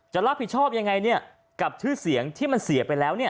จะรับผิดชอบยังไงเนี่ยกับชื่อเสียงที่มันเสียไปแล้วเนี่ย